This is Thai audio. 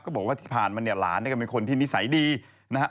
ก็บอกว่าที่ผ่านมาเนี่ยหลานก็เป็นคนที่นิสัยดีนะครับ